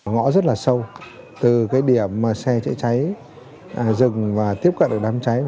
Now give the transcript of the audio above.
ngõ rất là sâu từ điểm xe cháy cháy dừng và tiếp cận đám cháy